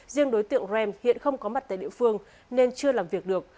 riêng đối tượng rem hiện không có mặt tại địa phương nên chưa làm việc được